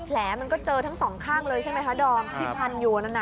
แผลมันก็เจอทั้งสองข้างเลยใช่ไหมคะดอมที่พันอยู่นั่นน่ะ